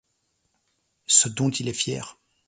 Ce dont il est fier.